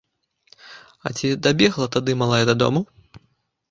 А ці дабегла тады малая дадому?